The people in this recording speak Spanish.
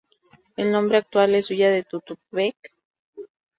El nombre actual es Villa de Tututepec de Melchor Ocampo.